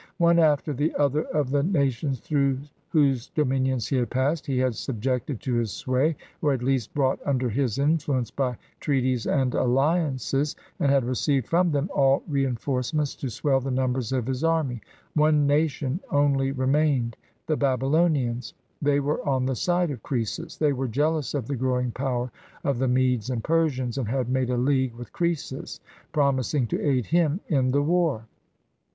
One after the other of the nations through whose dominions he had passed, he had subjected to his sway, or at least, brought under his influence by treaties and alliances, and had received from them all reinforcements to swell the numbers of his army. One nation only remained — the Babylonians. They were on the side of Croesus. They were jealous of the growing power of the Medes and Persians, and had made a league with Croesus, promising to aid him in the war.